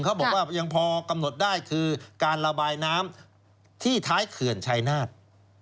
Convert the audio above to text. เขาบอกว่ายังพอกำหนดได้คือการระบายน้ำที่ท้ายเขื่อนชายนาฏ